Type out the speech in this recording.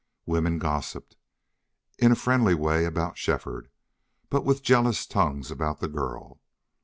Women gossiped, in a friendly way about Shefford, but with jealous tongues about the girl.